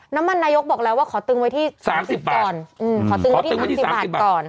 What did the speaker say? นายกบอกแล้วว่าขอตึงไว้ที่๓๐ก่อนขอตึงไว้ที่๓๐บาทก่อน